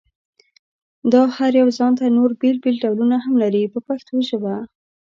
دا هر یو ځانته نور بېل بېل ډولونه هم لري په پښتو ژبه.